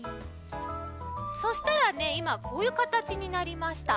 そしたらねいまこういうかたちになりました。